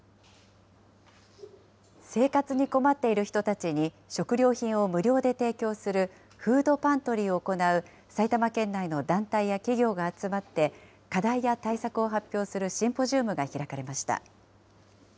生活に困っている人たちに食料品を無料で提供するフードパントリーを行う埼玉県内の団体や企業が集まって、課題や対策を発表するシンポジウムが開かれました。